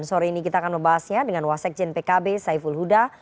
sore ini kita akan membahasnya dengan wasekjen pkb saiful huda